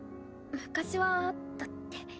昔はあったって。